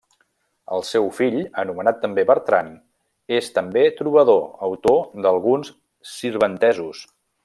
El seu fill, anomenat també Bertran, és també trobador, autor d'alguns sirventesos.